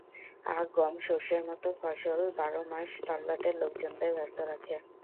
আখ, গম, সরষের মতো ফসল বারো মাস তল্লাটের লোকজনদের ব্যস্ত রাখে।